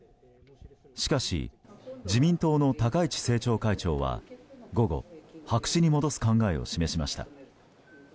しかし自民党の高市政調会長は午後白紙に戻す考えを示しました。